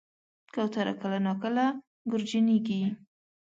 کوتره کله ناکله ګورجنیږي.